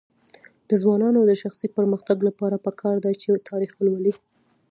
د ځوانانو د شخصي پرمختګ لپاره پکار ده چې تاریخ ولولي.